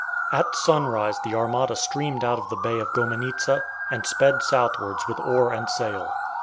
At sunrise the armada streamed out of the Bay of Gomenizza, and sped southwards with oar and sail.